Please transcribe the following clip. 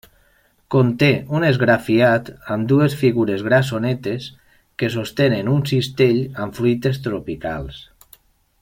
Conté un esgrafiat amb dues figures grassonetes que sostenen un cistell amb fruites tropicals.